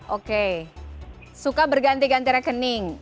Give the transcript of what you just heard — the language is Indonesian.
oke suka berganti ganti rekening